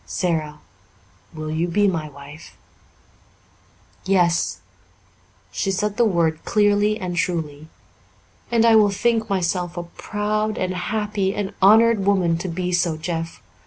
"Sara, will you be my wife?" "Yes." She said the word clearly and truly. "And I will think myself a proud and happy and honoured woman to be so, Jeff.